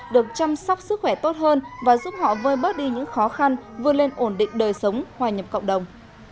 được chăm sóc sức khỏe tốt hơn và giúp họ vơi bớt đi những khó khăn vươn lên ổn định đời sống hoài nhập cộng đồng